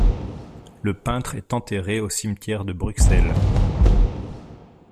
Le peintre est enterré au cimetière de Bruxelles.